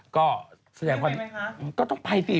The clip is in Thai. ก็แสดงความก็ต้องไปสิ